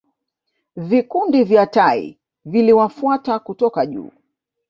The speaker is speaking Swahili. Vikundi vya tai viliwafuata kutoka juu